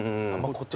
こっち？